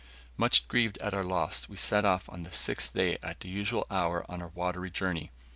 Much grieved at our loss, we set off on the sixth day at the usual hour on our watery journey.